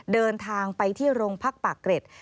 เดินทางไปที่โรงพักปากเกร็ด